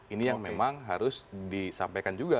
ini yang memang harus disampaikan juga